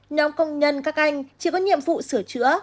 nhóm công nhân các anh chỉ có nhiệm vụ sửa chữa